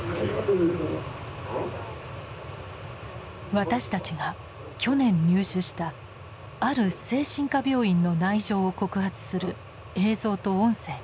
私たちが去年入手したある精神科病院の内情を告発する映像と音声です。